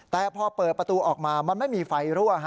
แต่พอเปิดประตูออกมามันไม่มีไฟรั่ว